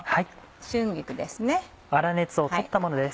春菊です。